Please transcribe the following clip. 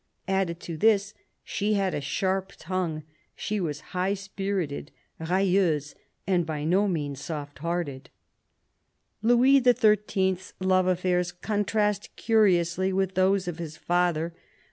Added to this, she had a sharp tongue ; she was high spirited, " railleuse," and by no means soft hearted. Louis XIII.'s love affairs contrast curiously with those of his father.